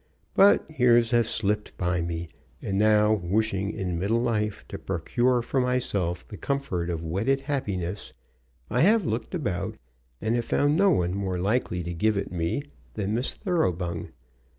But years have slipped by me, and now wishing in middle life to procure for myself the comfort of wedded happiness, I have looked about, and have found no one more likely to give it me, than Miss Thoroughbung.